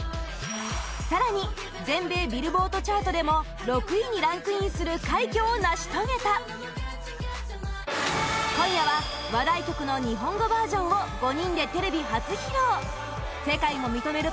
更に全米ビルボードチャートでも６位にランクインする快挙を成し遂げた今夜は話題曲の日本語バージョンを５人でテレビ初披露世界も認める